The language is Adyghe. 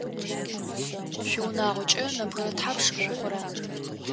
Шъуиунагъокӏэ нэбгырэ тхьапш шъухъура?